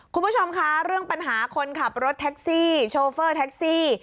คุณผู้ชมคะเรื่องปัญหาคนขับรถแท็กซี่โชเฟอร์แท็กซี่